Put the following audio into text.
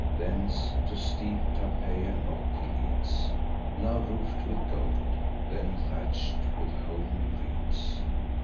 Thence, to the steep Tarpeian rock he leads; Now roof'd with gold, then thatch'd with homely reeds.